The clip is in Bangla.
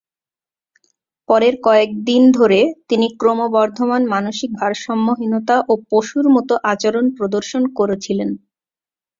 পরের কয়েক দিন ধরে, তিনি ক্রমবর্ধমান মানসিক ভারসাম্যহীনতা ও পশুর মতো আচরণ প্রদর্শন করেছিলেন।